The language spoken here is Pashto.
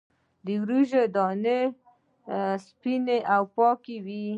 د وریجو دانه سپینه او پاکه وي.